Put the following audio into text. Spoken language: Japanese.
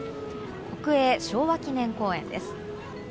国営昭和記念公園です。